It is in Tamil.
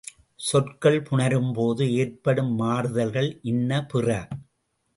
சொற்கள் புணரும்போது ஏற்படும் மாறுதல்கள் இன்ன பிற.